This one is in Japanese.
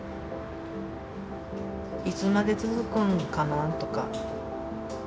いつまで続くんかなとか。